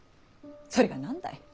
それが何だい。